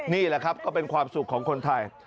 นี่แหละครับก็เป็นความสุขของคนไทย